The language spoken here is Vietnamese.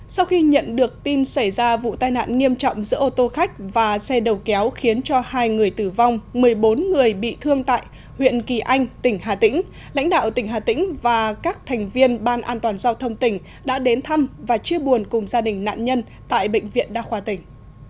sau khi nhận được tin xảy ra vụ tai nạn nghiêm trọng giữa ô tô khách và xe đầu kéo khiến cho hai người tử vong một mươi bốn người bị thương tại huyện kỳ anh tỉnh hà tĩnh lãnh đạo tỉnh hà tĩnh và các thành viên ban an toàn giao thông tỉnh đã đến thăm và chia buồn cùng gia đình nạn nhân tại bệnh viện đa khoa tỉnh